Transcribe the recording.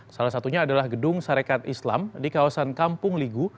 salah satunya adalah gedung sarekat islam di kawasan kampung ligu